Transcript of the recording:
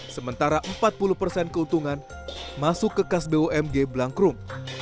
sementara empat puluh persen keuntungan masuk ke kas bumg blangkrum